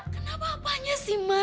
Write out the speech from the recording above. kenapa apanya sih ma